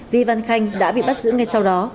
vi văn khanh đã bị bắt giữ ngay sau đó